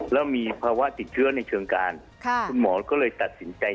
แล้วมีภาวะติดเชื้อในเชิงการคุณหมอก็เลยตัดสินใจ